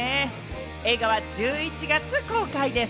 映画は１１月公開です。